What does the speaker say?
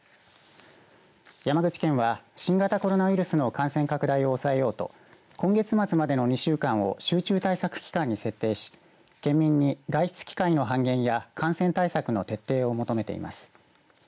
山口県は新型コロナウイルスの感染拡大を抑えようと今月末までの２週間を集中対策期間に設定し県民に外出期間の半減や感染対策の徹底を求めています。